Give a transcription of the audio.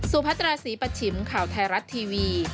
สุพัฒนาศีปชิมข่าวไทยรัฐทีวี